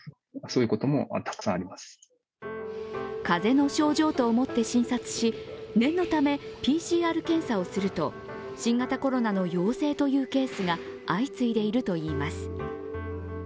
風邪の症状と思って診察し、念のためＰＣＲ検査をすると新型コロナの陽性というケースが相次いでいるといいます。